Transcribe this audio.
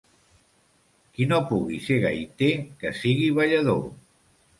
Qui no pugui ser gaiter, que sigui ballador.